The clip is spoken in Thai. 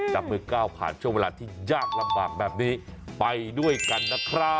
จับมือก้าวผ่านช่วงเวลาที่ยากลำบากแบบนี้ไปด้วยกันนะครับ